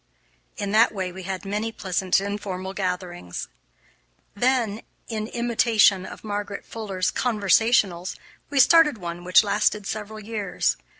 In that way we had many pleasant informal gatherings. Then, in imitation of Margaret Fuller's Conversationals, we started one which lasted several years.